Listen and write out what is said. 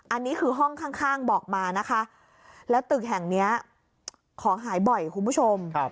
อันนี้คือห้องข้างบอกมานะคะแล้วตึกแห่งนี้ของหายบ่อยคุณผู้ชม